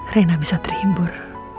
rena bisa terhibur